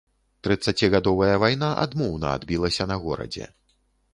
Трыццацігадовая вайна адмоўна адбілася на горадзе.